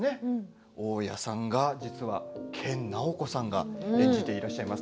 大家さんを研ナオコさんが演じていらっしゃいます。